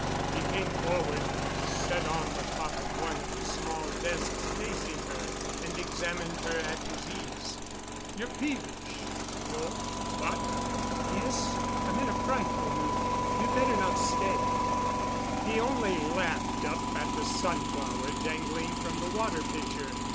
He came forward, sat on the top of one of the small desks facing her, and examined her at his ease. "You're peevish—no? What?" "Yes. I'm in a frightful mood. You'd better not stay." He only laughed up at the sunflower dangling from the water pitcher.